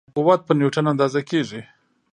قوت په نیوټن اندازه کېږي.